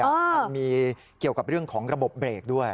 มันมีเกี่ยวกับเรื่องของระบบเบรกด้วย